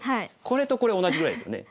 これとこれ同じぐらいですよね。